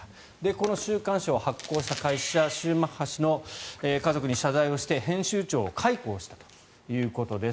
この週刊誌を発行した会社はシューマッハ氏の家族に謝罪して編集長を解雇したということです。